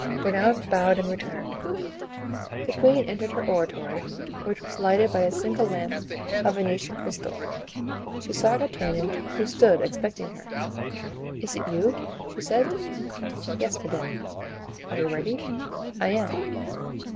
Bernouin bowed and retired. The queen entered her oratory, which was lighted by a single lamp of Venetian crystal, She saw D'Artagnan, who stood expecting her. "Is it you?" she said. "Yes, madame." "Are you ready?" "I am."